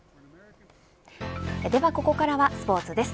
ではここからはスポーツです。